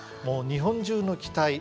もう日本中の期待。